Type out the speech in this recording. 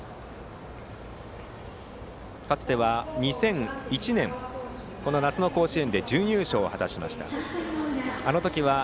かつては、２００１年この夏の甲子園で準優勝を果たしました。